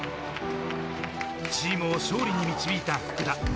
チームを勝利に導いた福田。